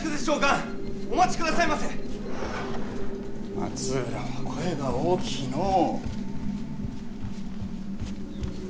松浦は声が大きいのう。